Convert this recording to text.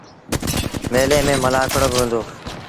ميلي ميݩ ملآکڙوبا هُݩدو۔